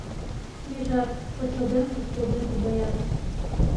Межат, шочылден-кушкылден шудеак